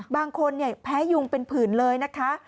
บางคนแพ้ยุงเป็นผื่นเลยนะคะ